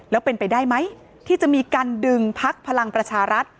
แล้วเป็นไปได้ไหมที่จะมีการดึงพักพลังประชารัฐ